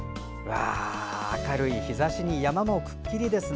明るい日ざしに山もくっきりです。